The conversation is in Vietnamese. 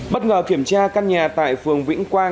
bất ngờ kiểm tra căn nhà tại phường vĩnh quang